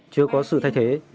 chưa có sự thay thế